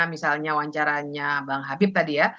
misalnya wawancaranya bang habib tadi ya